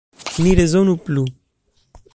Ni rezonu plu.